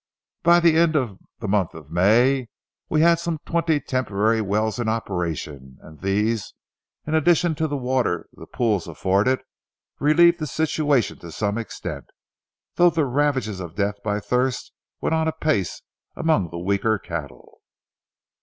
By the end of the month of May, we had some twenty temporary wells in operation, and these, in addition to what water the pools afforded, relieved the situation to some extent, though the ravages of death by thirst went on apace among the weaker cattle.